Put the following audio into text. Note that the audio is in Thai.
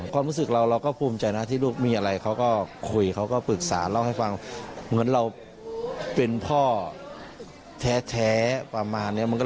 ความรู้สึกเราเราก็ภูมิใจนะที่ลูกมีอะไรเขาก็คุยเขาก็ปรึกษาเล่าให้ฟังเหมือนเราเป็นพ่อแท้ประมาณนี้